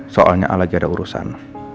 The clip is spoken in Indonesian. soalnya lagi ada urusan